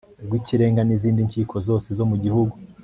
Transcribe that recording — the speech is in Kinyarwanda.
rw Ikirenga n izindi nkiko zose zo mu Gihugu